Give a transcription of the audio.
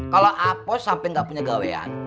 kalau apoy sampai nggak punya gawean